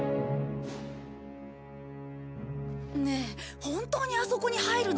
ねえ本当にあそこに入るの？